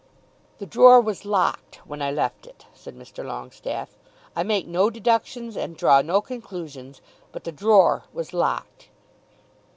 "The drawer was locked when I left it," said Mr. Longestaffe. "I make no deductions and draw no conclusions, but the drawer was locked."